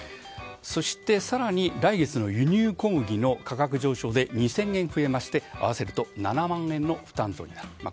そして、更に来月の輸入小麦の価格上昇で２０００円増えまして合わせると７万円の負担増になる